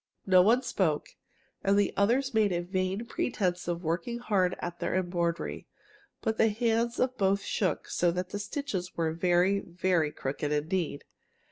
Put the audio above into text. No one spoke, and the others made a vain pretense of working hard at their embroidery. But the hands of both shook so that the stitches were very, very crooked indeed.